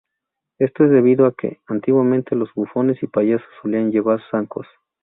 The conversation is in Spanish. Esto es debido a que antiguamente los bufones y payasos solían llevar zancos.